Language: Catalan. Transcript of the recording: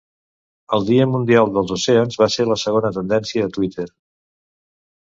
El Dia mundial dels oceans va ser la segona tendència a Twitter.